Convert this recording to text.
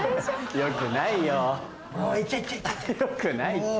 良くないって。